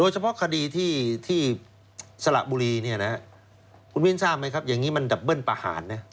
เฉพาะคดีที่สระบุรีเนี่ยนะคุณวินทราบไหมครับอย่างนี้มันดับเบิ้ลประหารนะ